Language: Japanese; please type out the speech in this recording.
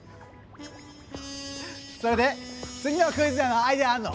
それで次のクイズのアイデアあるの？